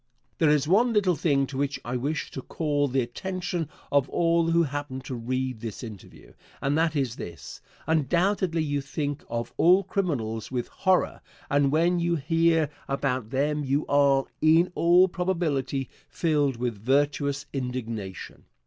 There is one little thing to which I wish to call the attention of all who happen to read this interview, and that is this: Undoubtedly you think of all criminals with horror and when you hear about them you are, in all probability, filled with virtuous indignation.